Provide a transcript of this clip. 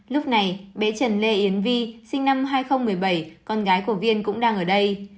lúc này bé trần lê yến vi sinh năm hai nghìn một mươi bảy con gái của viên cũng đang ở đây